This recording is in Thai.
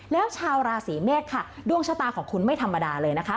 แล้วชาวราศีเมษค่ะดวงชะตาของคุณไม่ธรรมดาเลยนะคะ